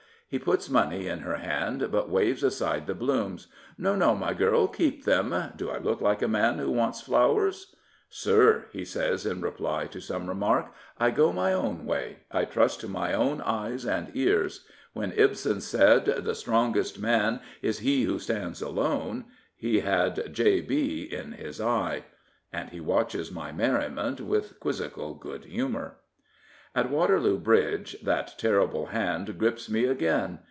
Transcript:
He puts money in her hand, but waves aside the blooms. " No, no, my girl, keep them. Do I look like a man that wants flowers? "" Sir," he says, in reply to some remark, " I go my own way. I trust to my own eyes and ears. When 289 Prophets, Priests, and Kings Ibsen said, I * The strongest man is he who stands alone, *1 he had J. B. in his eye/' And he watches my merrinient with quizzical good humour. At Waterloo Bridge that terrible hand grips me again.